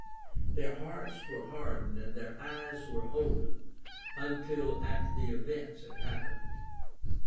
Their hearts were hardened and their eyes were holden — until after the events had happened.